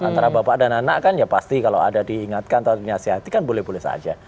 antara bapak dan anak kan ya pasti kalau ada diingatkan atau dinasihatikan boleh boleh saja